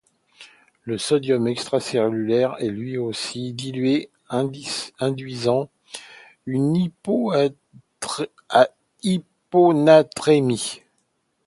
Le sodium extracellulaire est lui aussi dilué induisant une hyponatrémie.